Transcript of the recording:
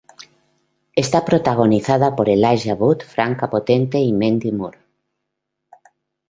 Está protagonizada por Elijah Wood, Franka Potente y Mandy Moore.